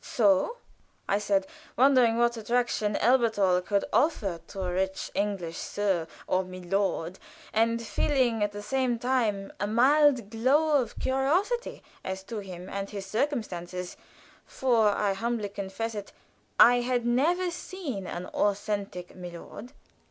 "So!" said I, wondering what attraction Elberthal could offer to a rich English sir or milord, and feeling at the same time a mild glow of curiosity as to him and his circumstances, for I humbly confess it I had never seen an authentic milord.